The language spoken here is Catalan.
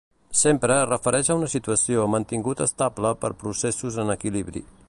Sempre es refereix a una situació mantingut estable per processos en equilibri.